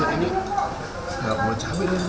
ini enggak boleh cabai bang